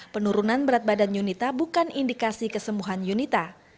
penurunan berat badan yunita bukan indikasi kesembuhan yunita